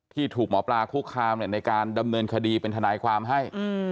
ที่ถูกหมอปลาคุกคามในการดำเนินคดีเป็นทนายความให้